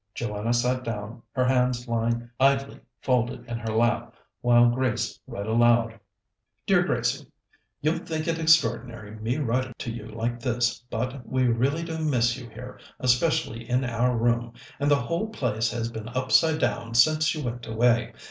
Joanna sat down, her hands lying idly folded in her lap, while Grace read aloud: "DEAR GRACIE, "You'll think it extraordinary, me writing to you like this, but we really do miss you here, especially in our room, and the whole place has been upside down since you went away.